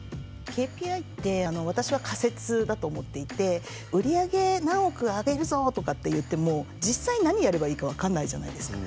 ＫＰＩって私は仮説だと思っていて売り上げ何億上げるぞ！とかっていっても実際何やればいいか分かんないじゃないですか。